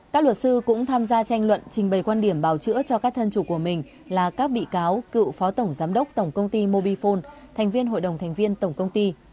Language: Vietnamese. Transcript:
các luật sư cũng tham gia tranh luận trình bày quan điểm bào chữa cho các thân chủ của mình là các bị cáo cựu phó tổng giám đốc tổng công ty mobifone thành viên hội đồng thành viên tổng công ty